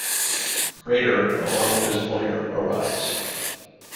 Krader, along with his lawyer, arrives.